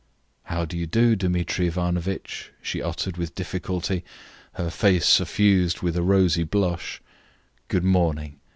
"How do you do, Dmitri Ivanovitch?" she uttered with difficulty, her face suffused with a rosy blush. "Good morning!